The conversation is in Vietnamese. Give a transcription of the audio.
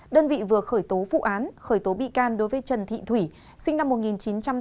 đơn vị vừa khởi tố vụ án khởi tố bị can đối với trần thị thủy sinh năm một nghìn chín trăm tám mươi